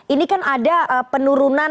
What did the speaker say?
ini kan ada penurunan